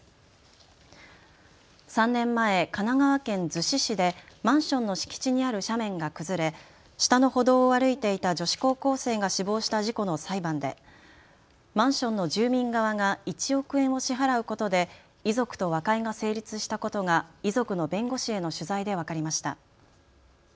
３年前、神奈川県逗子市でマンションの敷地にある斜面が崩れ下の歩道を歩いていた女子高校生が死亡した事故の裁判でマンションの住民側が１億円を支払うことで遺族と和解が成立したことが遺族の弁護士への取材で分かりました。